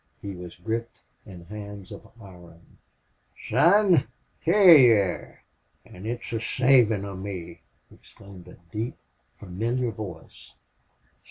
He was gripped in hands of iron. "Son! hyar you air an' it's the savin' of me!" exclaimed a deep, familiar voice.